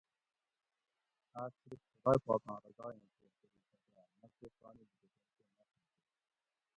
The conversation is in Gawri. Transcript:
آس صرف خدائ پاکاں رضایٔیں کیر کروگ پکاۤر نہ کو تانی لکوٹور کہ ماسیں کیر